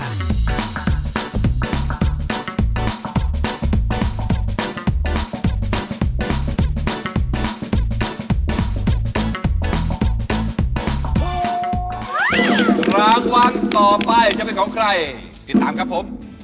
รางวัลต่อไปจะเป็นของใครติดตามครับผม